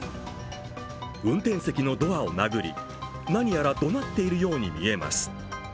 運転席のドアを殴り、何やらどなっているように見えます。